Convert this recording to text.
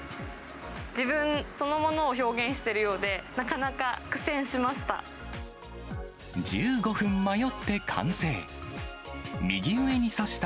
自分そのものを表現してるようで、なかなか苦戦しました。